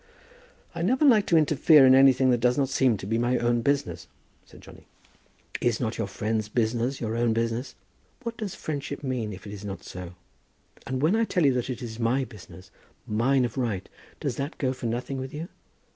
"I never like to interfere in anything that does not seem to be my own business," said Johnny. "Is not your friend's business your own business? What does friendship mean if it is not so? And when I tell you that it is my business, mine of right, does that go for nothing with you?